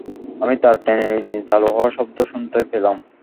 আমি তার ট্রেনের ইঞ্জিন চালু হওয়ার শব্দ শুনতে পেলাম।